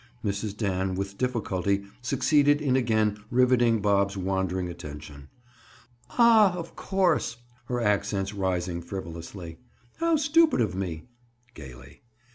Mrs. Dan with difficulty succeeded in again riveting Bob's wandering attention. "Ah, of course!" Her accents rising frivolously. "How stupid of me!" Gaily.